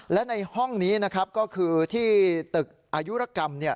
และในห้องนี้นะครับก็คือที่ตึกอายุรกรรมเนี่ย